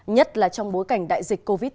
nhất là trong bối cảnh đại dịch covid một mươi chín